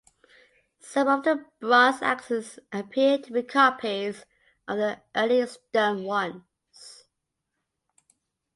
Some of the bronze axes appear to be copies of the earlier stone ones.